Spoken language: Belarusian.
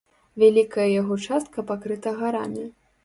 Вялікая яго частка пакрыта гарамі.